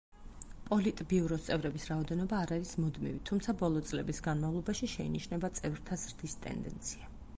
პოლიტბიუროს წევრების რაოდენობა არ არის მუდმივი, თუმცა ბოლო წლების განმავლობაში შეინიშნება წევრთა ზრდის ტენდენცია.